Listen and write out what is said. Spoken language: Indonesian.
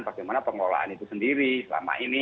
bagaimana pengelolaan itu sendiri selama ini